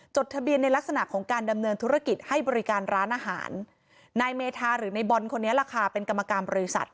ทะเบียนในลักษณะของการดำเนินธุรกิจให้บริการร้านอาหารนายเมธาหรือในบอลคนนี้แหละค่ะเป็นกรรมการบริษัท